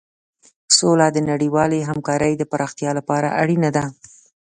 سوله د نړیوالې همکارۍ د پراختیا لپاره اړینه ده.